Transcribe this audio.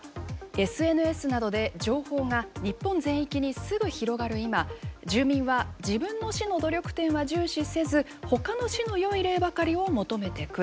「ＳＮＳなどで情報が日本全域にすぐ広がる今住民は自分の市の努力点は重視せずほかの市の良い例ばかりを求めてくる。